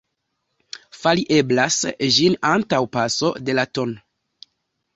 Fari eblas ĝin antaŭ paso de la tn.